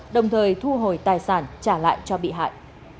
đồng thời thu hồi tài sản trả lại cho bị hại